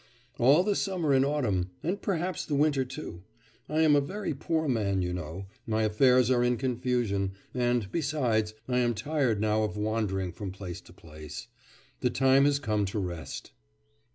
'All the summer and autumn, and perhaps the winter too. I am a very poor man, you know; my affairs are in confusion, and, besides, I am tired now of wandering from place to place. The time has come to rest.